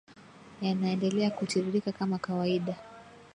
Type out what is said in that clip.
yanaendelea kutiririka kama kawaida